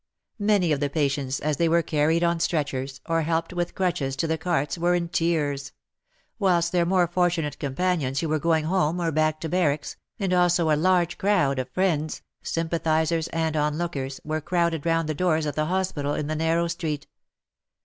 Many of the patients, as they were carried on stretchers, or helped with crutches to the carts, were in tears ; whilst their more fortunate companions who were going home or back to barracks, and also a large crowd of friends, sympathizers and onlookers, were crowded round the doors of the hospital in the narrow street.